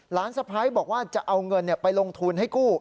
สะพ้ายบอกว่าจะเอาเงินไปลงทุนให้กู้